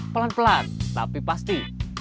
pelan pelan tapi pasti